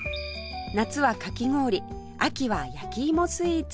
夏はかき氷秋は焼き芋スイーツ